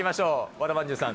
和田まんじゅうさん